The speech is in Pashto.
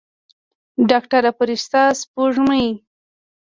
ډاکتره فرشته سپوږمۍ.